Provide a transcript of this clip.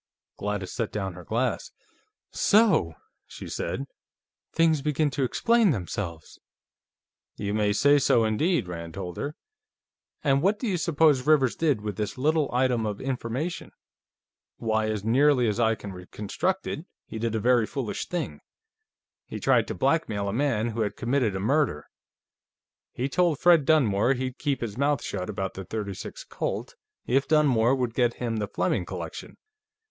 Gladys set down her glass. "So!" she said. "Things begin to explain themselves!" "You may say so, indeed," Rand told her. "And what do you suppose Rivers did with this little item of information? Why, as nearly as I can reconstruct it, he did a very foolish thing. He tried to blackmail a man who had committed a murder. He told Fred Dunmore he'd keep his mouth shut about the .36 Colt, if Dunmore would get him the Fleming collection.